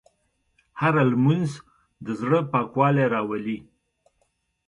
هره لمونځ د زړه پاکوالی راولي.